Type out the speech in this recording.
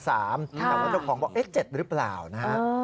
แต่ว่าลูกของบอกเอ๊ะ๗หรือเปล่านะฮะ